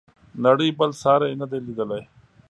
نړۍ بل ساری نه دی لیدلی.